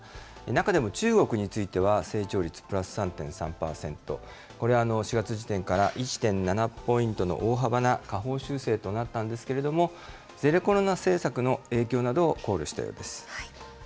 中でも、中国については成長率プラス３．３％、これ、４月時点から１．７ポイントの大幅な下方修正となったんですけれども、ゼロコロナ政策の影響などを考慮したようです。